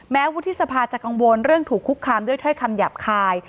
วุฒิสภาจะกังวลเรื่องถูกคุกคามด้วยถ้อยคำหยาบคาย